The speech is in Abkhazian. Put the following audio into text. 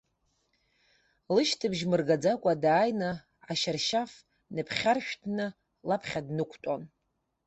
Лышьҭыбжь мыргаӡакәа дааины, ашьаршьаф ныԥхьаршәҭны, лаԥхьа днықәтәон.